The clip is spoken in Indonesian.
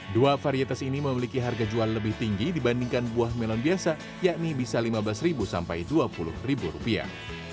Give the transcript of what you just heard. dua varietas ini memiliki harga jual lebih tinggi dibandingkan buah melon biasa yakni bisa lima belas sampai dua puluh rupiah